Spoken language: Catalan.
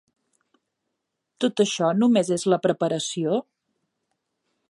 Tot això només és la preparació?